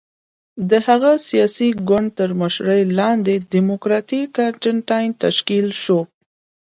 د هغه سیاسي ګوند تر مشرۍ لاندې ډیموکراتیک ارجنټاین تشکیل شو.